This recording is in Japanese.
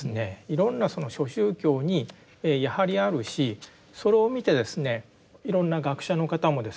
いろんな諸宗教にやはりあるしそれを見てですねいろんな学者の方もですねこういった宗教被害